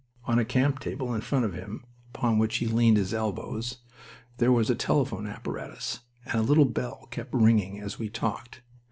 On a camp table in front of him, upon which he leaned his elbows, there was a telephone apparatus, and the little bell kept ringing as we talked.